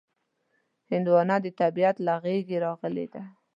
هندوانه د طبیعت له غېږې راغلې ده.